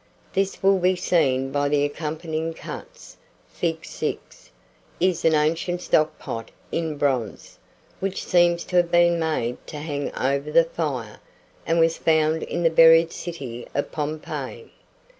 This will be seen by the accompanying cuts. Fig. 6 is an ancient stock pot in bronze, which seems to have been made to hang over the fire, and was found in the buried city of Pompeii.